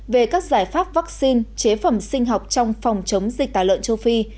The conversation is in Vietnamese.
về các giải pháp vaccine chế phẩm sinh học trong phòng chống dịch tả lợn châu phi